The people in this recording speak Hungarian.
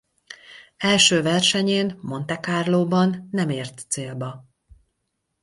Első versenyén Monte-Carlóban nem ért célba.